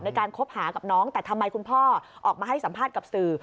การคบหากับน้องแต่ทำไมคุณพ่อออกมาให้สัมภาษณ์กับสื่อ